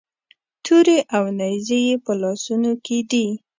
تورې او نیزې یې په لاسونو کې دي.